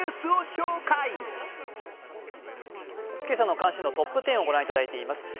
今朝の関心度トップ１０を御覧いただいています。